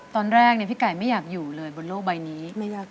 ตอนแรกพี่ไก่ไม่อยากอยู่เลยบนโลกใบนี้